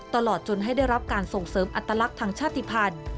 ตลอดจนให้ได้รับการส่งเสริมอัตลักษณ์ทางชาติภัณฑ์